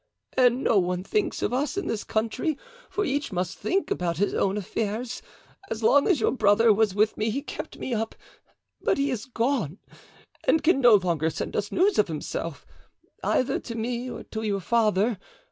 "And no one thinks of us in this country, for each must think about his own affairs. As long as your brother was with me he kept me up; but he is gone and can no longer send us news of himself, either to me or to your father.